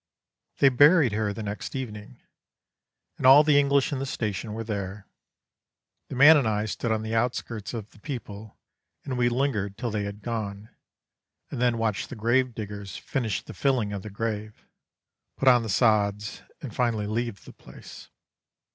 "They buried her the next evening, and all the English in the station were there. The man and I stood on the outskirts of the people, and we lingered till they had gone, and then watched the grave diggers finish the filling of the grave, put on the sods, and finally leave the place.